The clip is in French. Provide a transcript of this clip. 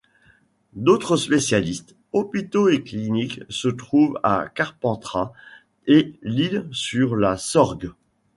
D'autres spécialistes, hôpitaux et cliniques se trouvent à Carpentras et l'Isle-sur-la-Sorgue.